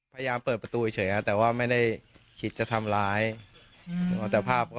พยายามเปิดประตูเฉยแต่ว่าไม่ได้คิดจะทำร้าย